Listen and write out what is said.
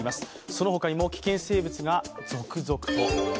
その他にも危険生物が続々と。